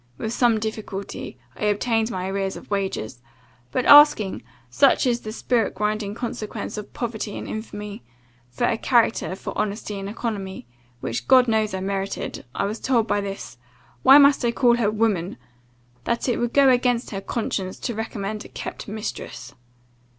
With some difficulty, I obtained my arrears of wages; but asking such is the spirit grinding consequence of poverty and infamy for a character for honesty and economy, which God knows I merited, I was told by this why must I call her woman? 'that it would go against her conscience to recommend a kept mistress.